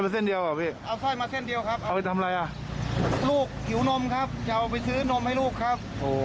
จะเอาไปซื้อนมให้ลูกคร๊บ